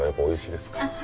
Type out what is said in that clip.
おいしいですか？